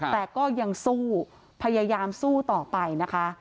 แต่ก็ยังสู้พยายามสู้ต่อไปนะคะ